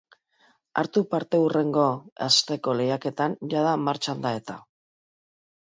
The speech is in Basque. Hartu partehurrengo asteko lehiaketan, jada martxan da eta!